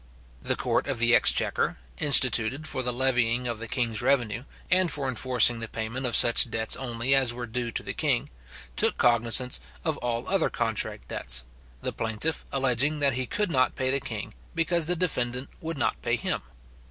The court of exchequer, instituted for the levying of the king's revenue, and for enforcing the payment of such debts only as were due to the king, took cognizance of all other contract debts; the planitiff alleging that he could not pay the king, because the defendant would not pay him.